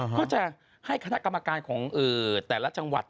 ก็จะให้คณะกรรมการของแต่ละจังหวัด